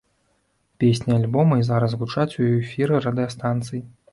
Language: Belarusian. Песні альбома і зараз гучаць у эфіры радыёстанцый.